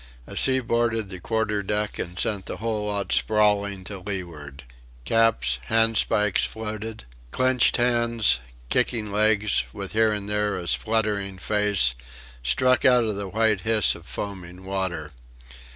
A sea boarded the quarter deck and sent the whole lot sprawling to leeward. Caps, handspikes floated. Clenched hands, kicking legs, with here and there a spluttering face, stuck out of the white hiss of foaming water.